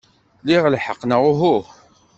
Liɣ lḥeqq, neɣ uhu?